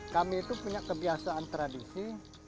kami itu punya kebiasaan tradisi